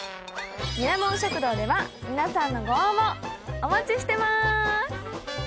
ミラモン食堂では皆さんのご応募お待ちしてます。